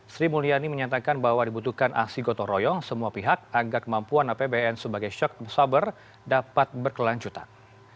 sri mulyani menyatakan bahwa dibutuhkan aksi gotong royong semua pihak agar kemampuan apbn sebagai shock saber dapat berkelanjutan